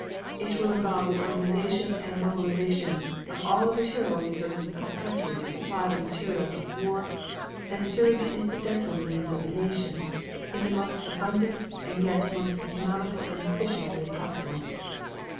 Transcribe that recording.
It will involve the organization and mobilization of all the material resources of the country to supply the materials of war and serve the incidental needs of the nation in the most abundant and yet the most economical and efficient way possible.